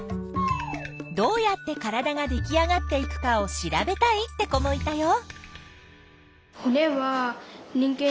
どうやって体ができあがっていくかを調べたいって子もいたよ。